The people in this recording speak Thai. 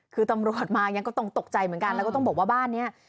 คือตำรวจมายังก็ต้องตกใจเหมือนกันแล้วก็ต้องบอกว่าบ้านนี้